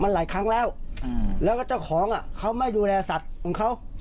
มันหลายครั้งแล้วแล้วก็เจ้าของเขาไม่ดูแลสัตว์ของเขา